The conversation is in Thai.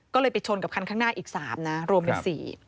ก็เลยไปชนกับคันข้างหน้าอีก๓นะรวมเป็น๔